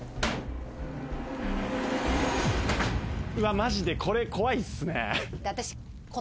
マジで、これ、怖いっすね。